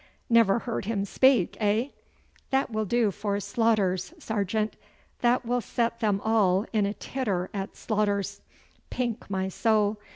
Never heard him speak, heh? That will do for Slaughter's, sergeant. That will set them all in a titter at Slaughter's. Pink my soul!